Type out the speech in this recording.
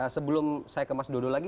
sebelum saya ke mas dodo lagi